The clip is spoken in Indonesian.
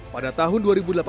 pada tahun dua ribu delapan belas